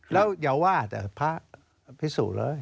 แล้วอย่าว่าแต่พระอภิสุเลย